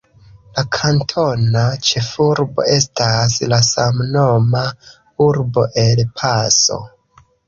La kantona ĉefurbo estas la samnoma urbo El Paso.